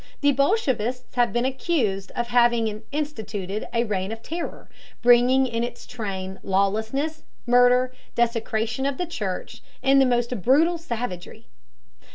The bolshevists have been accused of having instituted a reign of terror, bringing in its train lawlessness, murder, desecration of the church, and the most brutal savagery.